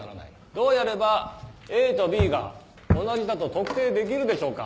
どうやればＡとＢが同じだと特定できるでしょうか。